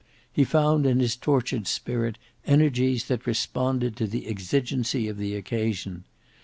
He found in his tortured spirit energies that responded to the exigency of the occasion.